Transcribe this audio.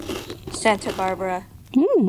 Santa Barbara.